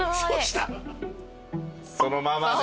そのままで。